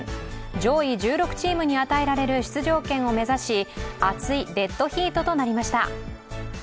上位１６チームに与えられる出場権を目指し、熱いデッドヒートとなりました。